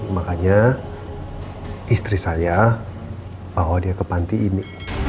makanya istri saya bawa dia ke panti ini